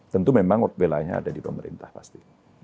tentu memang belanya ada di pemerintah pasti